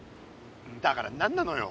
だから何なのよ。